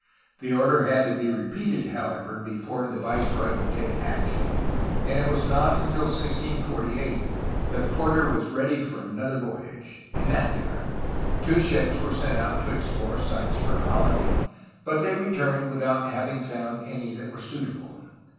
The order had to be re peated, however, before the viceroy would take action, and it was not until 1648 that Porter was ready for another voyage. In that year two ships were sent out to explore sites for a colony, but they returned without having found any that were suitable.